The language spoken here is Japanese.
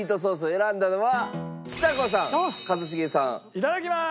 いただきます！